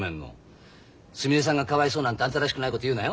すみれさんがかわいそうなんてあんたらしくないこと言うなよ。